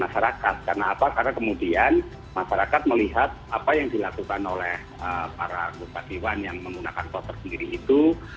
karena kemudian masyarakat melihat apa yang dilakukan oleh para bupatiwan yang menggunakan plat terkiri itu